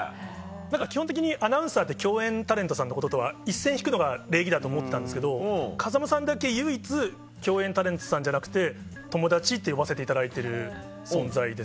基本的にアナウンサーって共演タレントさんのこととは一線引くのが礼儀だと思ってたんですけど風間さんだけ唯一共演タレントさんじゃなくて友達って呼ばせていただいてる存在です。